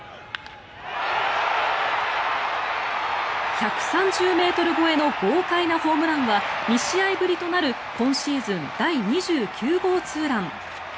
１３０ｍ超えの豪快なホームランは２試合ぶりとなる今シーズン第２９号ツーラン。